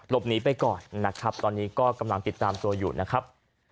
หนีไปก่อนนะครับตอนนี้ก็กำลังติดตามตัวอยู่นะครับ